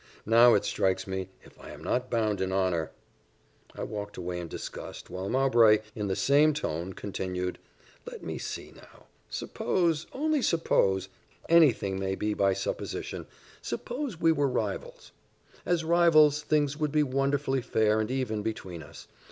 Now it strikes me if I am not bound in honour " I walked away in disgust, while Mowbray, in the same tone, continued, "Let me see, now suppose only suppose any thing may be by supposition suppose we were rivals. As rivals, things would be wonderfully fair and even between us.